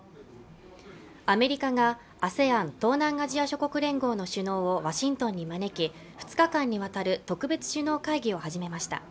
アメリカがＡＳＥＡＮ＝東南アジア諸国連合の首脳をワシントンに招き２日間にわたる特別首脳会議を始めました